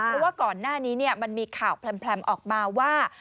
เพราะว่าก่อนหน้านี้มันมีข่าวแพลมออกมาว่า